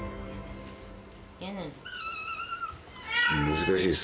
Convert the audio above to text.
難しいです